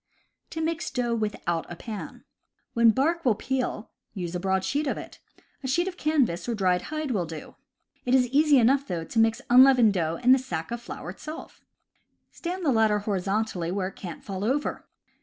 To Mix Dough without a Pan. — When bark will peel, use a broad sheet of it. A sheet of canvas, or a dried hide, will do. It is easy enough, though, to mix unleavened dough in the sack of flour itself. Stand the latter horizontally where it can't fall over.